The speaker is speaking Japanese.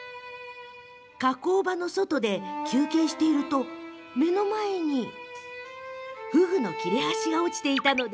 加工場の外で休憩していると目の前にふぐの切れ端が落ちていました。